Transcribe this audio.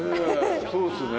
そうっすね。